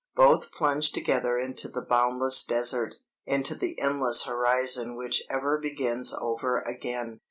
Both plunge together into the boundless desert, into the endless horizon which ever begins over again.